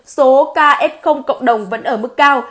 số ca ép không cộng đồng vẫn ở mức cao